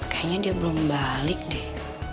kayaknya dia belum balik deh